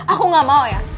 aku gak mau ya